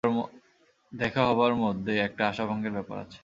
দেখা হবার মধ্যে একটা আশাভঙ্গের ব্যাপার আছে।